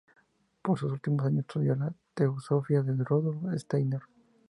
En sus últimos años estudió la teosofía de Rudolf Steiner.